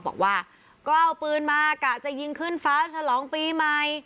บอกว่าก็เอาปืนมากะจะยิงขึ้นฟ้าฉลองปีใหม่